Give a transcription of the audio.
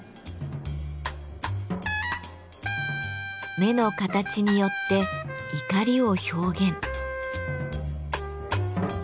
目の形によって怒りを表現。